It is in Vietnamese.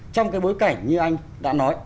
trong cái bối cảnh như anh đã nói